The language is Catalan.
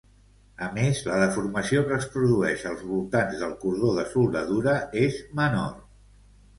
A més, la deformació que es produeix als voltants del cordó de soldadura és menor.